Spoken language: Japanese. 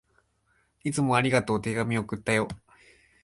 いつもありがとう。手紙、送ったよ。